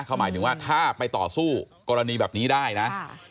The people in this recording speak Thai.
เขาหมายถึงว่าถ้าไปต่อสู้กรณีแบบนี้ได้นะ